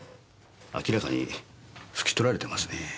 明らかに拭き取られてますねぇ。